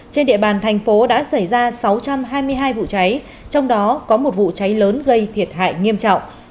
trên địa bàn thành phố đã xảy ra sáu trăm hai mươi hai vụ cháy trong đó có một vụ cháy lớn gây thiệt hại nghiêm trọng